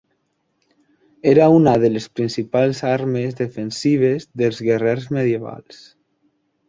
Era una de les principals armes defensives dels guerrers medievals.